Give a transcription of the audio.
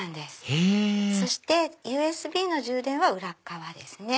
へぇそしてＵＳＢの充電は裏側ですね。